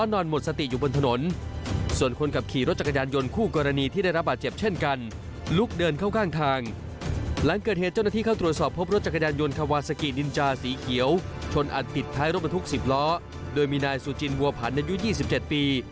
โดยมีนายสุจินวัวผันในยุทธ์๒๗ปี